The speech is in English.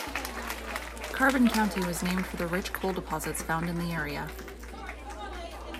Carbon County was named for the rich coal deposits found in the area.